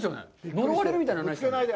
呪われるみたいなの、ないですか？